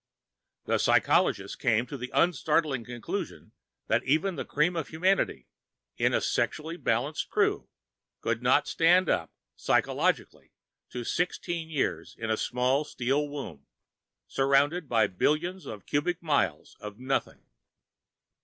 The psychologists came to the unstartling conclusion that even the cream of humanity, in a sexually balanced crew, could not stand up psychologically to sixteen years in a small steel womb, surrounded by billions of cubic miles of nothing.